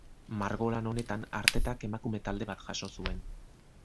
Margolan honetan Artetak emakume talde bat jaso zuen.